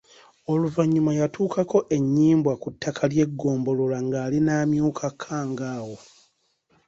Oluvannyuma yatuukako e Nnyimbwa ku ttaka ly'eggombolola ng'ali n'amyuka Kkangawo.